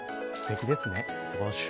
すてきですね。